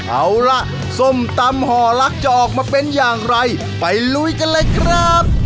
เอาล่ะส้มตำห่อลักษณ์จะออกมาเป็นอย่างไรไปลุยกันเลยครับ